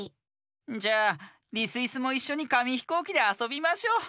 じゃあリスイスもいっしょにかみひこうきであそびましょう。